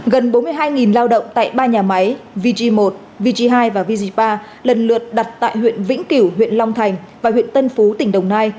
gần bốn mươi hai lao động tại ba nhà máy vg một vg hai và vg ba lần lượt đặt tại huyện vĩnh kiểu huyện long thành và huyện tân phú tỉnh đồng nai